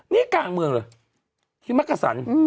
นี้กลางเมืองแหละนี่มักกระสัน